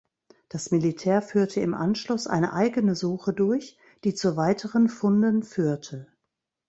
Das Militär führte im Anschluss eine eigene Suche durch, die zu weiteren Funden führte.